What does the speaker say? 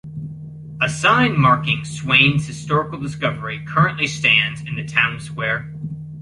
A sign marking Swain's historical discovery currently stands in the town square.